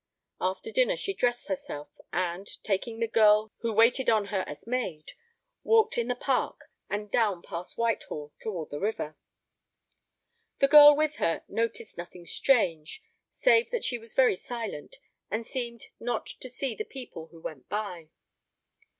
After dinner she dressed herself, and, taking the girl who waited on her as maid, walked in the park and down past Whitehall toward the river. The girl with her noticed nothing strange, save that she was very silent, and seemed not to see the people who went by.